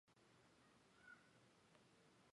用于静滴的包装也可经口服用。